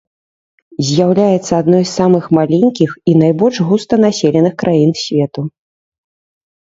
З'яўляецца адной з самых маленькіх і найбольш густанаселеных краін свету.